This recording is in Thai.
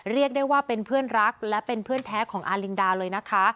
เรียกได้ว่าเป็นเพื่อนรักและเป็นเพื่อนแท้ของอาลินดาเลยนะคะ